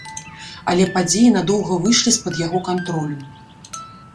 Але падзеі надоўга выйшлі з-пад яго кантролю.